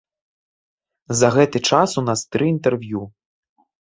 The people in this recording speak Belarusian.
За гэты час у нас тры інтэрв'ю.